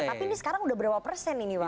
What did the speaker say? tapi ini sekarang sudah berapa persen ini mbak